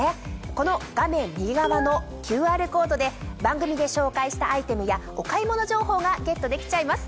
この画面右側のＱＲコードで番組で紹介したアイテムやお買い物情報がゲットできちゃいます。